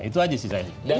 itu aja sih saya